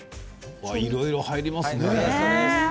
いろいろ入りますね。